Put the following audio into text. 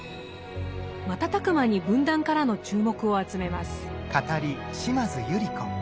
瞬く間に文壇からの注目を集めます。